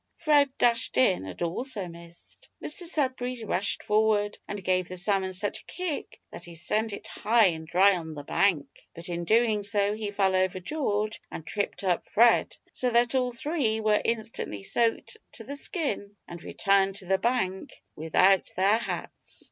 Fred dashed in, and also missed. Mr Sudberry rushed forward and gave the salmon such a kick that he sent it high and dry on the bank! But in doing so he fell over George and tripped up Fred, so that all three were instantly soaked to the skin, and returned to the bank without their hats.